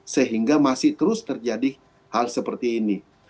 sehingga masih terus terjadi hal seperti ini